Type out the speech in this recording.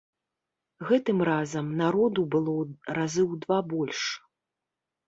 Гэтым разам народу было разы ў два больш.